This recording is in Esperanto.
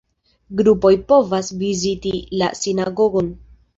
Grupoj povas viziti la sinagogon.